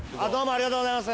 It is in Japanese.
ありがとうございます。